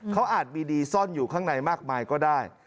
เขาอาจมีดีซ่อนอยู่ข้างในมากมายก็ได้